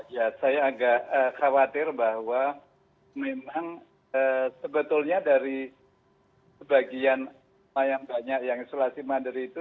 ya saya agak khawatir bahwa memang sebetulnya dari sebagian yang banyak yang isolasi mandiri itu